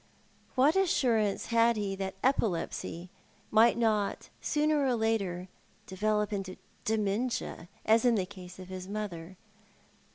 What assurance had he that epilepsy might not sooner or later develop into dementia, as in the case of his mother